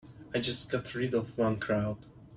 I just got rid of one crowd.